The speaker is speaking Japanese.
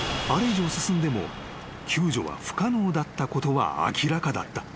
以上進んでも救助は不可能だったことは明らかだった］